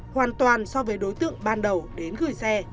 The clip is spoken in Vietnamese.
hoàn toàn so với đối tượng ban đầu đến gửi xe